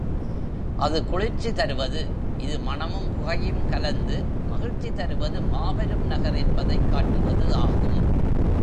அது குளிர்ச்சி தருவது இது மணமும் புகையும் கலந்து மகிழ்ச்சி தருவது மாபெரும் நகர் என்பதைக் காட்டுவது ஆகும்.